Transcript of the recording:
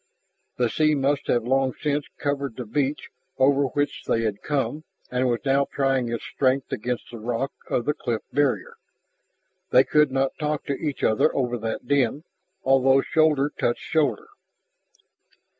The sea must have long since covered the beach over which they had come and was now trying its strength against the rock of the cliff barrier. They could not talk to each other over that din, although shoulder touched shoulder.